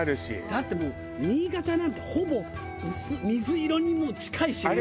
だってもう新潟なんてほぼ薄水色に近いしね。